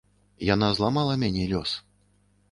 Яна зламала мяне лёс.